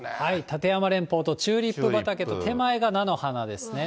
立山連峰とチューリップ畑と、手前が菜の花ですね。